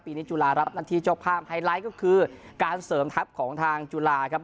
ปีนี้จุฬารับหน้าที่เจ้าภาพไฮไลท์ก็คือการเสริมทัพของทางจุฬาครับ